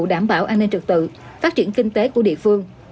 đảm bảo an ninh trực tự phát triển kinh tế của địa phương